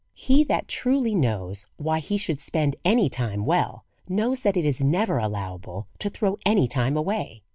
He that truly knows why he should spend any time well, knows that it is never allowable to throw any time away.